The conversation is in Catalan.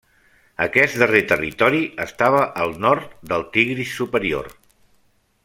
Aquest darrer territori estava al nord del Tigris superior.